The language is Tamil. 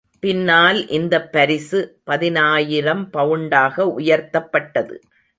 பின்னால் இந்தப் பரிசு பதினாயிரம் பவுண்டாக உயர்த்தப்பட்டது.